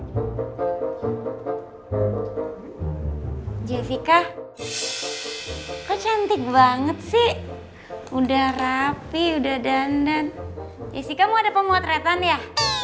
kak jessica kok cantik banget sih udah rapi udah dan jessica mau ada pemotretan ya